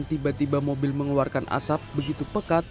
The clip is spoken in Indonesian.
tiba tiba mobil mengeluarkan asap begitu pekat